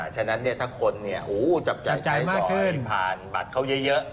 ฉะนั้นถ้าคนจับจ่ายใช้สอยผ่านบัตรเขาเยอะ